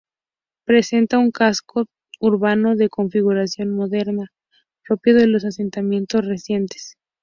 Presenta un casco urbano de configuración moderna, propio de los asentamientos recientes.